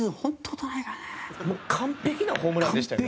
藤原：完璧なホームランでしたよね。